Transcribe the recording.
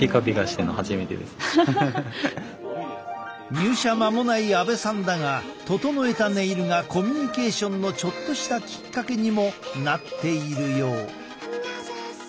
入社間もない阿部さんだが整えたネイルがコミュニケーションのちょっとしたきっかけにもなっているよう。